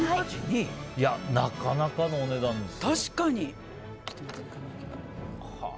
いや、なかなかのお値段ですよ。